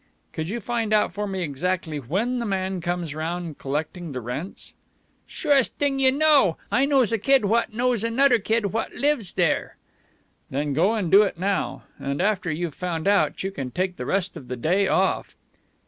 "Could you find out for me exactly when the man comes round collecting the rents?" "Surest t'ing you know. I knows a kid what knows anodder kid what lives dere." "Then go and do it now. And, after you've found out, you can take the rest of the day off."